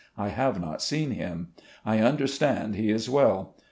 I have not seen him. I tmderstand he is well.